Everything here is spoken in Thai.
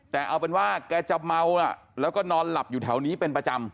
แต่เอาเป็นว่าแกจะเมานะแล้วก็นอนหลับอยู่แถวนี้เป็นประจำ